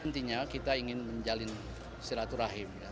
intinya kita ingin menjalin silaturahim